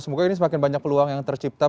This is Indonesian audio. semoga ini semakin banyak peluang yang tercipta